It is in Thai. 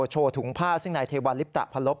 โชว์ถุงผ้าซึ่งนายเทวัลลิปตะพันลบ